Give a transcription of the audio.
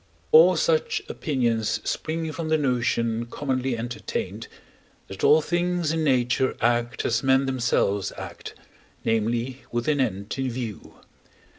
All such opinions spring from the notion commonly entertained, that all things in nature act as men themselves act, namely, with an end in view.